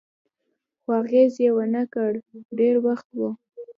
خو اغېز یې و نه کړ، د ډېر وخت و.